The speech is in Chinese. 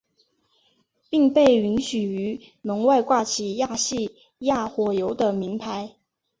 并被允许于门外挂起亚细亚火油的铭牌。